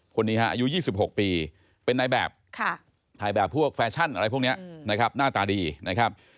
คนนี้ฮะอายุ๒๖ปีเป็นนายแบบถ่ายแบบพวกแฟชั่นอะไรพวกนี้นะครับหน้าตาดีนะครับ